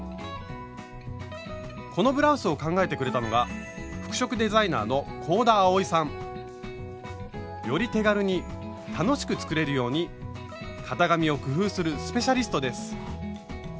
このブラウスを考えてくれたのがより手軽に楽しく作れるように型紙を工夫するスペシャリストです！